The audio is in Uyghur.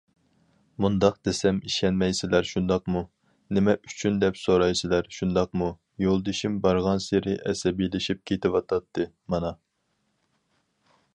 مۇنداق دېسەم ئىشەنمەيسىلەر، شۇنداقمۇ؟ نېمە ئۈچۈن دەپ سورايسىلەر شۇنداقمۇ؟- يولدىشىم بارغانسېرى ئەسەبىيلىشىپ كېتىۋاتاتتى،- مانا!